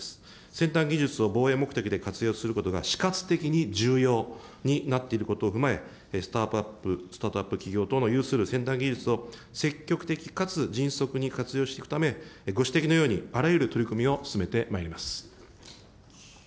先端技術を防衛目的で活用することが死活的に重要になっていることを踏まえ、スタートアップ企業の有する先端技術を積極的かつ迅速に活用していくため、ご指摘のようにあらゆる取り組みを進めてまいります。